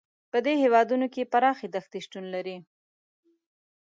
په دې هېوادونو کې پراخې دښتې شتون لري.